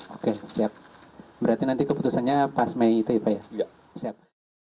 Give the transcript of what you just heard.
oke siap berarti nanti keputusannya pas mei itu ya pak ya